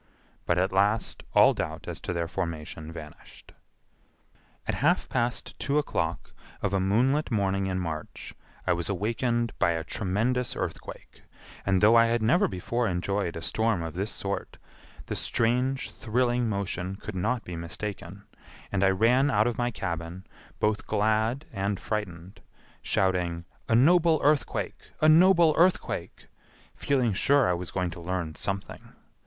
But at last all doubt as to their formation vanished. At half past two o'clock of a moonlit morning in March, I was awakened by a tremendous earthquake, and though I had never before enjoyed a storm of this sort, the strange thrilling motion could not be mistaken, and I ran out of my cabin, both glad and frightened, shouting, "A noble earthquake! A noble earthquake!" feeling sure I was going to learn something.